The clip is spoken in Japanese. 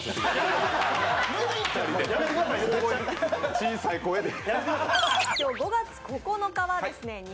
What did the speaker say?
小さい声で。